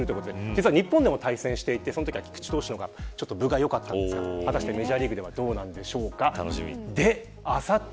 実は日本でも対戦していてそのときは菊池投手の方がちょっと分がよかったんですがメジャーリーグではどうなるんでしょうか。